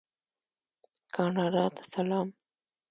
کاناډا ته سلام.